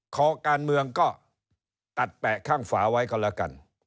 คอการเมืองก็ตัดแปะข้างฝาไว้ก็แล้วกัน